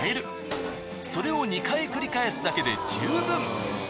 それを２回繰り返すだけで十分。